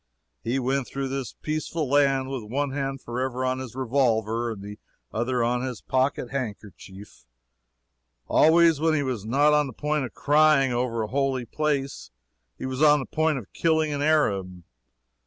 He went through this peaceful land with one hand forever on his revolver, and the other on his pocket handkerchief. Always, when he was not on the point of crying over a holy place, he was on the point of killing an Arab.